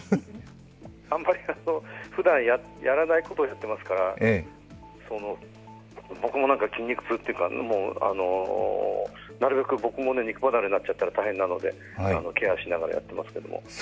あまり、ふだんやらないことをやっていますから、僕も筋肉痛というか、なるべく僕も肉ばなれになっちゃったら大変なのでケアしながらやってますけども。